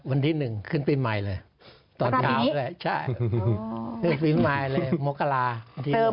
อันนี้ของคุณประสิทธิ์ต้องตั้งแต่ตอนเดือนไหนครับ